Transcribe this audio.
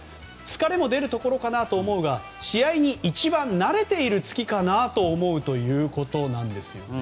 疲れも出るところかなと思うが試合に一番慣れている月かなと思うということなんですよね。